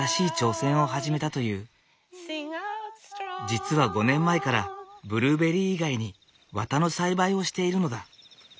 実は５年前からブルーベリー以外に綿の栽培をしているのだ。